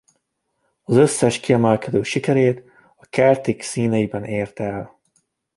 Az összes kiemelkedő sikerét a Celtic színeiben érte el.